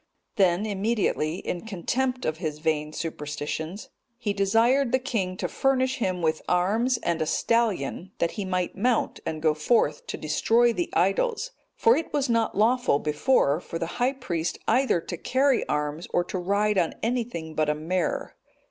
Then immediately, in contempt of his vain superstitions, he desired the king to furnish him with arms and a stallion, that he might mount and go forth to destroy the idols; for it was not lawful before for the high priest either to carry arms, or to ride on anything but a mare.